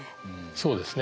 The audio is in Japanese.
そうですね。